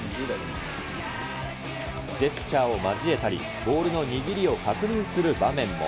ジェスチャーを交えたり、ボールの握りを確認する場面も。